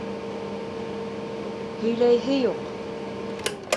Һөйләйһе юҡ!